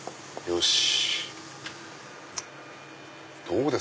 よし。